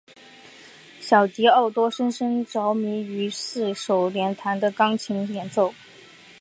小狄奥多深深着迷于四手联弹的钢琴演奏。